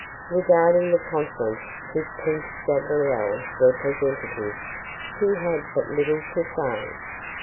Regarding the conference with Prince Gabriel's representatives, he had but little to say.